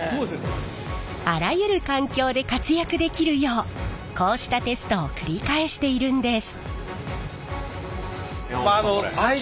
あらゆる環境で活躍できるようこうしたテストを繰り返しているんです。